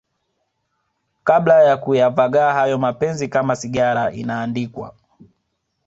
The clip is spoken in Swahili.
kabla ya kuyavagaa hayo mapenzi Kama sigara inaandikwa